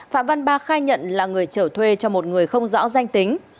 phạm văn ba khai nhận là người trở thuê cho một người không rõ danh tính